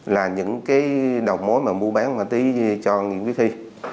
là những cái đầu mỗi mà mua bán một tí cho nguyễn vích huy